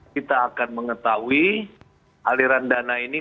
kita akan mengetahui aliran dana ini